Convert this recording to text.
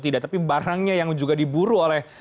tidak tapi barangnya yang juga diburu oleh